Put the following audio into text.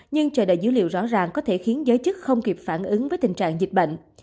nhưng chờ đợi dữ liệu rõ ràng có thể khiến giới chức không kịp phản ứng với tình trạng dịch bệnh